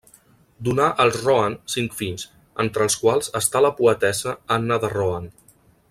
Donà als Rohan cinc fills, entre els quals està la poetessa Anna de Rohan.